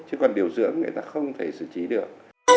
chứ còn điều dưỡng người ta không thể xử trí được